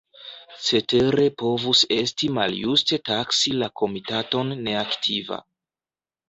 Cetere povus esti maljuste taksi la Komitaton neaktiva.